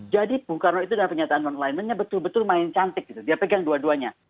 jadi bukaro itu dalam penyataan non alignmentnya betul betul main cantik gitu dia pegang dua duanya